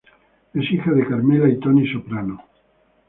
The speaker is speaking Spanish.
Es hija de Carmela y Tony Soprano.